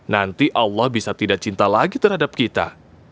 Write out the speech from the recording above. nanti allah bisa tidak cinta lagi terhadap kita